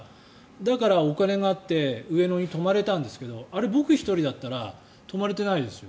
だからお金があって上野に泊まれたんですけどあれ、僕１人だったら泊まれてないですよ。